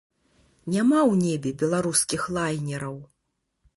Няма ў небе беларускіх лайнераў.